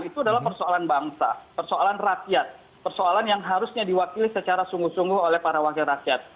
itu adalah persoalan bangsa persoalan rakyat persoalan yang harusnya diwakili secara sungguh sungguh oleh para wakil rakyat